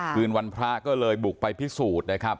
คืนวันพระก็เลยบุกไปพิสูจน์นะครับ